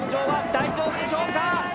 大丈夫でしょうか。